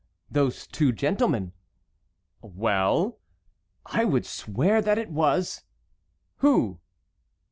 "Those two gentlemen." "Well?" "I would swear that it was"— "Who?"